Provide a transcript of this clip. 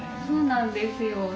そうなんですよ。